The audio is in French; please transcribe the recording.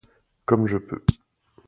Comme je peux.